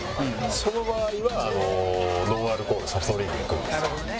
その場合はノンアルコールソフトドリンクにいくんですよ。